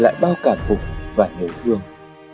để lại bao cảm phúc và nổi thương